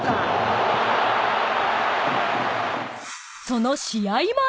［その試合前］